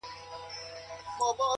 غوږ سه راته’